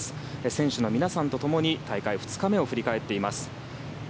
選手の皆さんとともに大会２日目を振り返っています。